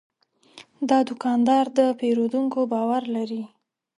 دا دوکاندار د پیرودونکو باور لري.